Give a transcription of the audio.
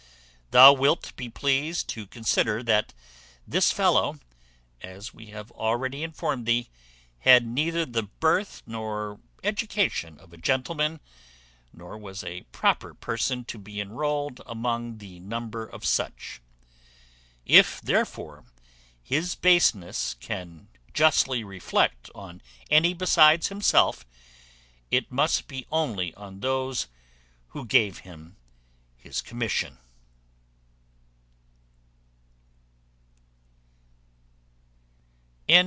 Thou wilt be pleased to consider that this fellow, as we have already informed thee, had neither the birth nor education of a gentleman, nor was a proper person to be enrolled among the number of such. If, therefore, his baseness can justly reflect on any besides himself, it must be only on those who gave him his commission.